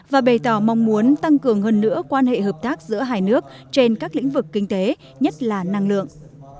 và bày tỏ mong muốn tăng cường hơn nữa quan hệ hợp tác giữa hai nước trên các lĩnh vực kinh tế nhất là năng lượng